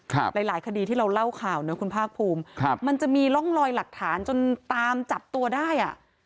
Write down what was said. หลายหลายคดีที่เราเล่าข่าวนะคุณภาคภูมิครับมันจะมีร่องลอยหลักฐานจนตามจับตัวได้อ่ะ